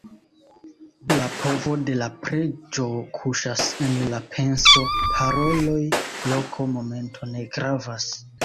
La povo de la preĝo kuŝas en la penso; paroloj, loko, momento ne gravas.